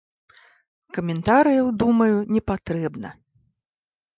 Каментарыяў, думаю, не патрэбна.